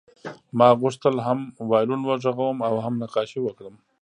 ما غوښتل هم وایلون وغږوم او هم نقاشي وکړم